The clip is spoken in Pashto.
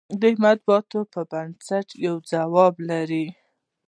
د مطالعاتو پر بنسټ یو ځواب لرو.